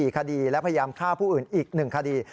๔คดีและพยายามฆ่าผู้อื่นอีก๑คดี